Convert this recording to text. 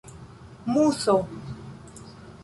muso